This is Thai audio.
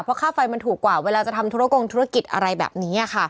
เพราะค่าไฟมันถูกกว่าเวลาจะทำธุรกงธุรกิจอะไรแบบนี้ค่ะ